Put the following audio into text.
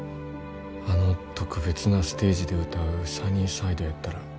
あの特別なステージで歌う「サニーサイド」やったら。